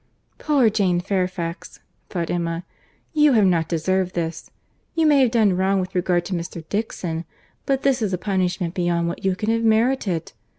"Poor Jane Fairfax!"—thought Emma.—"You have not deserved this. You may have done wrong with regard to Mr. Dixon, but this is a punishment beyond what you can have merited!